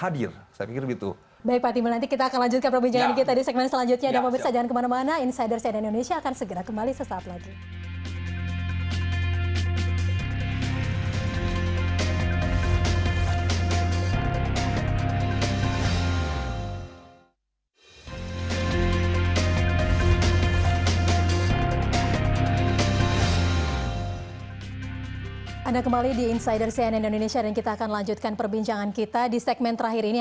anda kembali di insider cnn indonesia dan kita akan lanjutkan perbincangan kita di segmen terakhir ini